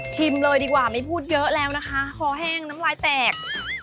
เลยดีกว่าไม่พูดเยอะแล้วนะคะคอแห้งน้ำลายแตก